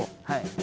はい。